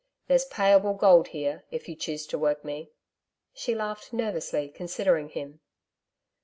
There's payable gold here, if you choose to work me.' She laughed nervously, considering him.